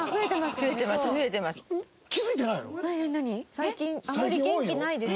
最近あまり元気ないです。